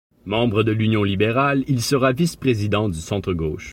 Membre de l'Union libérale, il sera vice-président du centre gauche.